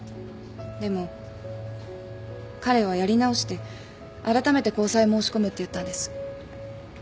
でも彼はやり直してあらためて交際を申し込むって言ったんです。